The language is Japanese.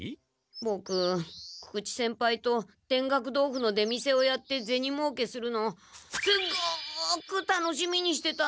ボク久々知先輩と田楽豆腐の出店をやってゼニもうけするのをすごく楽しみにしてたんですけど。